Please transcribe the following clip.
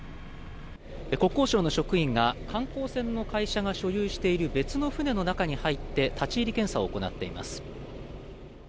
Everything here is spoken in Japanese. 国交省の職員が観光船の会社が所有している別の船の中に入って立ち入り検査をしています。